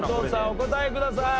お答えください。